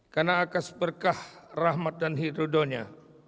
karena akas berkah rahmat dan hidrodonya